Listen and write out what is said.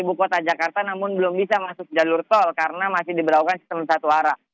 yang terdapat di jawa tengah jakarta namun belum bisa masuk jalur tol karena masih diberlakukan sistem satu arah